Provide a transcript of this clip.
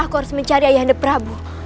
aku harus mencari ayah anda prabu